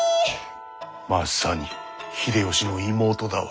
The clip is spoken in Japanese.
まさに秀吉の妹だわ。